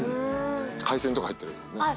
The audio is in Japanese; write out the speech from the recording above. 海鮮とか入ってるやつだね。